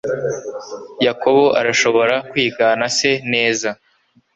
Yakobo arashobora kwigana se neza